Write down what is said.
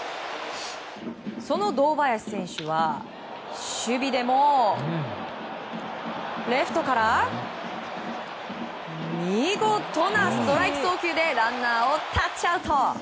その堂林選手は、守備でも。レフトから見事なストライク送球でランナーをタッチアウト。